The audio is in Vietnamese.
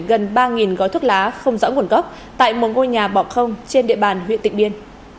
gần ba gói thuốc lá không rõ nguồn gốc tại một ngôi nhà bỏ không trên địa bàn huyện tịnh biên